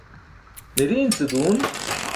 miriin ce duun